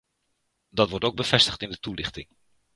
Dat wordt ook bevestigd in de toelichting.